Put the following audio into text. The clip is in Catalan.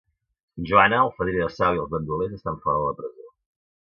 Joana, el Fadrí de Sau i els bandolers estan fora de la presó.